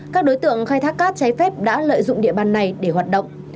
các đối tượng khai thác cát trái phép đã lợi dụng địa bàn này để hoạt động